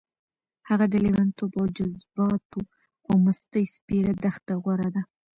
هغه د لېونتوب او جذباتو او مستۍ سپېره دښته غوره ده.